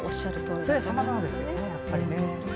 それはさまざまですよね。